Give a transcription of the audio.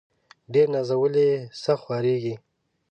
ډير نازولي ، سخت خوارېږي.